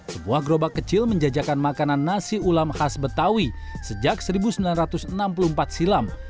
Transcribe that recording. sebuah gerobak kecil menjajakan makanan nasi ulam khas betawi sejak seribu sembilan ratus enam puluh empat silam